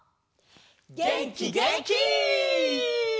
げんきげんき！